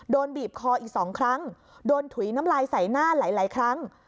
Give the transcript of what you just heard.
บีบคออีก๒ครั้งโดนถุยน้ำลายใส่หน้าหลายครั้ง